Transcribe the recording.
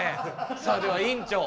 さあでは院長